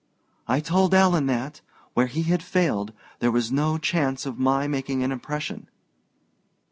"I told Alan that, where he had failed, there was no chance of my making an impression."